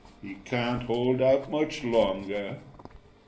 "He can't hold out much longer."